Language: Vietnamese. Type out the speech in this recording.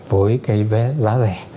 với cái vé giá rẻ